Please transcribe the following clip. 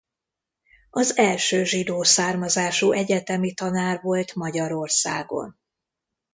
Az első zsidó származású egyetemi tanár volt Magyarországon.